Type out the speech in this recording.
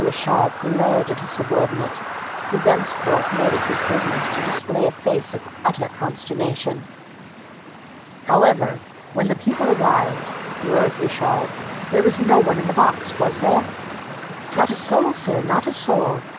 Richard glared at his subordinate, who thenceforth made it his business to display a face of utter consternation. "However, when the people arrived," roared Richard, "there was no one in the box, was there?" "Not a soul, sir, not a soul!